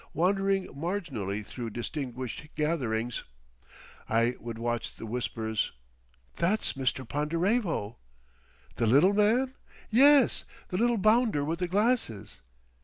Wandering marginally through distinguished gatherings, I would catch the whispers: "That's Mr. Ponderevo!" "The little man?" "Yes, the little bounder with the glasses."